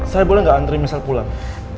saya boleh gak antri michelle pulang